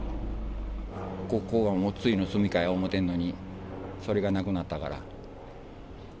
ここがついの住みかやと思ってんのに、それがなくなったから。